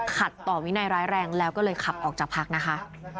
ขัดต่อวินัยร้ายแรงแล้วก็เลยขับออกจากพักนะคะ